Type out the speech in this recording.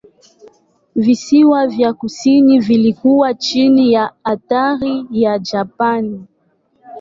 Visiwa vya kusini vilikuwa chini ya athira ya Japani.